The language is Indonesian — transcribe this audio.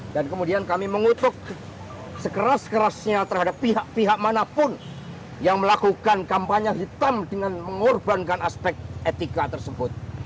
dan kemudian kami mengutuk sekeras kerasnya terhadap pihak pihak manapun yang melakukan kampanye hitam dengan mengorbankan aspek etika tersebut